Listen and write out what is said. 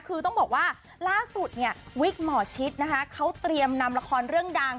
คือต้องบอกว่าล่าสุดเนี่ยวิกหมอชิดนะคะเขาเตรียมนำละครเรื่องดัง